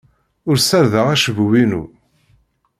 Ur ssardeɣ acebbub-inu.